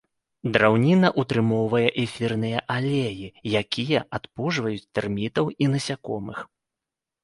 Драўніна ўтрымоўвае эфірныя алеі, якія адпужваюць тэрмітаў і насякомых.